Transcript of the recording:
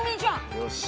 よし。